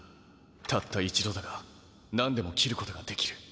たった一度だがなんでも斬ることができる。